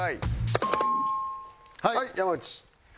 はい山内。